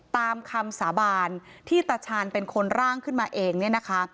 ตามคำสาบานที่ตาชาญเป็นคนร่างขึ้นมาเองเนี่ยนะคะ